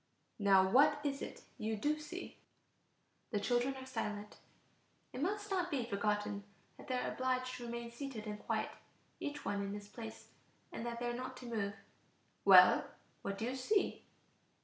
"Now what is it you do see?" The children are silent. It must not be forgotten that they are obliged to remain seated and quiet, each one in his place, and that they are not to move. "Well, what do you see?"